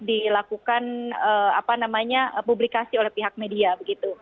dilakukan publikasi oleh pihak media begitu